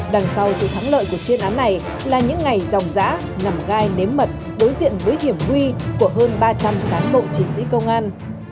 đằng sau sự thắng lợi của chuyên án này là những ngày dòng giã nằm gai nếm mật đối diện với hiểm nguy của hơn ba trăm linh cán bộ chiến sĩ công an